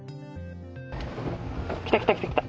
来た来た来た来た。